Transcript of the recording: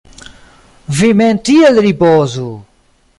Vi mem tiel ripozu!